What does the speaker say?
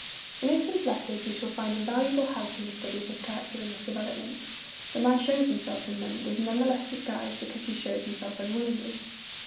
In Ibsen's letters we shall find invaluable help in the study of this character and this development. The man shows himself in them with none the less disguise because he shows himself unwillingly.